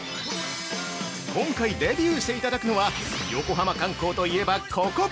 ◆今回デビューしていただくのは横浜観光といえばココ！